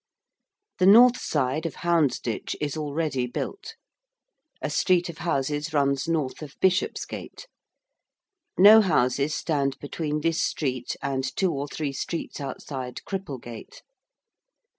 The north side of Houndsditch is already built. A street of houses runs north of Bishopsgate. No houses stand between this street and two or three streets outside Cripplegate.